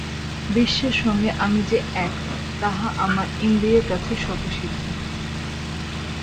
বিশ্বের সঙ্গে আমি যে এক, তাহা আমার ইন্দ্রিয়ের কাছে স্বতঃসিদ্ধ।